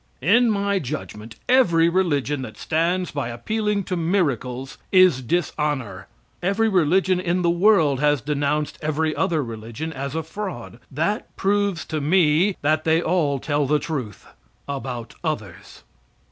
In my judgment, every religion that stands by appealing to miracles is dishonor. Every religion in the world has denounced every other religion as a fraud. That proves to me that they all tell the truth about others.